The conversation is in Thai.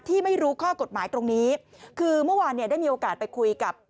ที่ไม่รู้ข้อกฎหมายตรงนี้คือเมื่อวานเนี่ยได้มีโอกาสไปคุยกับ